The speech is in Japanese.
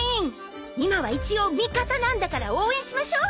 今は一応味方なんだから応援しましょう！